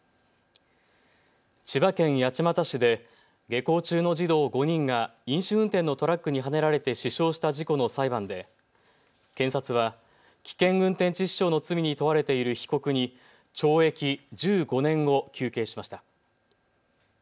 千葉県八街市で下校中の児童５人が飲酒運転のトラックにはねられて死傷した事故の裁判で検察は危険運転致死傷の罪に問われている被告に懲役１５年を求刑しました。